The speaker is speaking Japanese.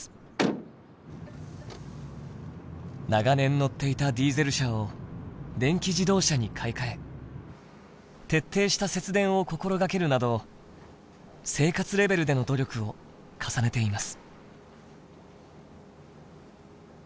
長年乗っていたディーゼル車を電気自動車に買い換え徹底した節電を心がけるなど生活レベルでの努力を重ねています。